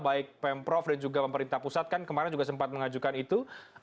baik pemprov dan juga pemerintah pusat kan kemarin juga sempat mengajukan itu